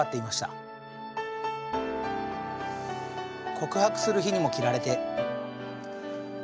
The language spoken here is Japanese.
「告白する日にも着られて」。